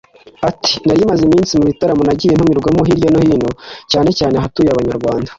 Ati “Nari maze iminsi mu bitaramo nagiye ntumirwamo hirya no hino cyane cyane ahatuye Abanyarwanda